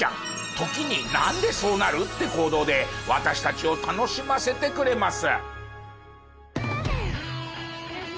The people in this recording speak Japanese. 時になんでそうなる？って行動で私たちを楽しませてくれます。